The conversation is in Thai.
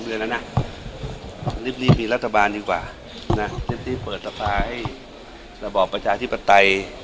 แค่นี้ก็๒เดือนแล้วนะรีบมีรัฐบาลดีกว่ารีบเปิดราบราชาให้ระบบประชาธิปไตย